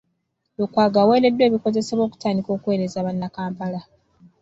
Lukwago aweereddwa ebikozesebwa okutandika okuweereza bannakampala.